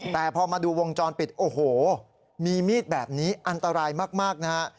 แต่พอมาดูวงจรปิดโอ้โหมีมีดแบบนี้อันตรายมากนะฮะ